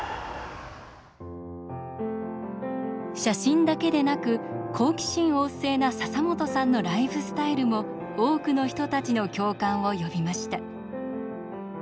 写真だけでなく好奇心旺盛な笹本さんのライフスタイルも多くの人たちの共感を呼びました。